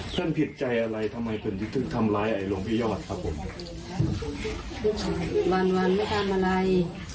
เจ้าผิดใจอะไรทำไมเพียวคือทำร้ายไอ้ลมพี่ยอทครับผมวันไม่ทำอะไร